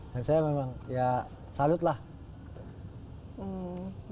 dan saya memang ya salut lah gitu